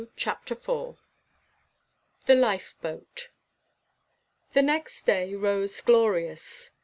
CHAPTER IV. THE LIFE BOAT. The next day rose glorious.